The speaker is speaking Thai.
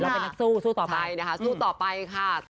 โต้อยยก็สุดอย่างเรอปีก